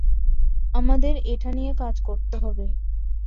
আমাদের এটা নিয়ে কাজ করতে হবে।